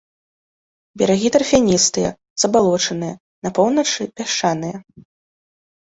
Берагі тарфяністыя, забалочаныя, на поўначы пясчаныя.